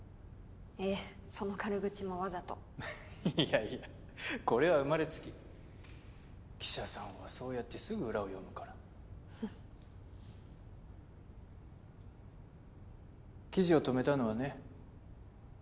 ええその軽口もわざといやいやこれは生まれつき記者さんはそうやってすぐ裏を読むから記事を止めたのはね